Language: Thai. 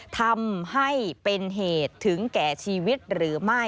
ทำให้เป็นเหตุถึงแก่ชีวิตหรือไม่